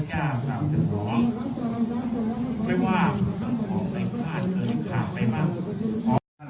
สวัสดีทุกคน